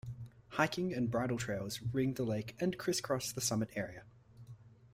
Hiking and bridle trails ring the lake and criss-cross the summit area.